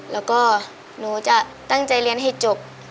แล้วก็หนูจะตั้งใจเรียนให้จบ